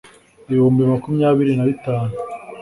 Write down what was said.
Ibihumbi makumyabiri na bitanu